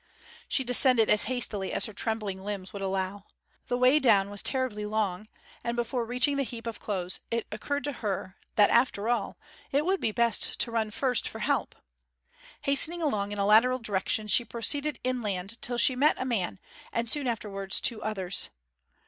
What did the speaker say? She descended as hastily as her trembling limbs would allow. The way down was terribly long, and before reaching the heap of clothes it occurred to her that, after all, it would be best to run first for help. Hastening along in a lateral direction she proceeded inland till she met a man, and soon afterwards two others.